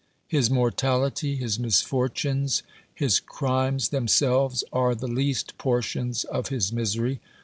" His mortality, his misfortunes, his crimes themselves, are the least portions of his misery.